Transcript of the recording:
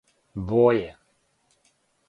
Боје